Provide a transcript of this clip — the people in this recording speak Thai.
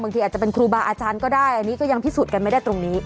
ทีอาจจะเป็นครูบาอาจารย์ก็ได้อันนี้ก็ยังพิสูจน์กันไม่ได้ตรงนี้